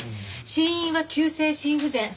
死因は急性心不全。